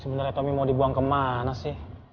sebenarnya tommy mau dibuang kemana sih